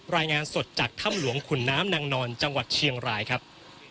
รายงานสดจากถ้ำหลวงขุนน้ำนางนอนจังหวัดเชียงรายครับ